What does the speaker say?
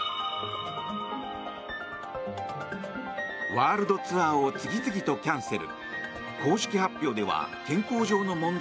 ワールドツアーを次々とキャンセル。